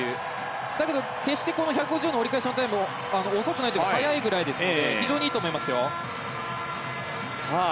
だけど決して１５０の折り返しのタイムも早いぐらいですので非常にいいと思います。